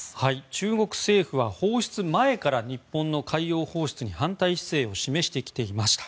中国政府は放出前から日本の海洋放出に反対姿勢を示してきていました。